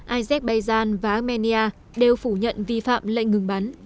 azerbaijan và armenia đều phủ nhận vi phạm lệnh ngừng bắn